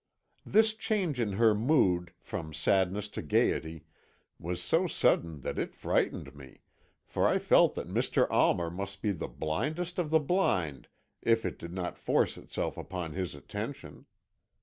This change in her mood, from sadness to gaiety, was so sudden that it frightened me, for I felt that Mr. Almer must be the blindest of the blind if it did not force itself upon his attention.